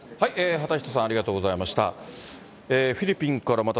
畑下さん、ありがとうございました。